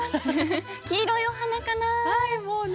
「黄色いお花かな」。